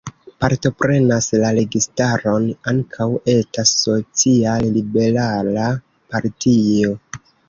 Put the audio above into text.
Partoprenas la registaron ankaŭ eta social-liberala partio.